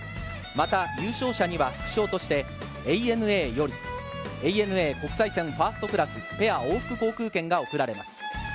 また優勝者には副賞としてＡＮＡよりＡＮＡ国際線ファーストクラス・ペア往復航空券が贈られます。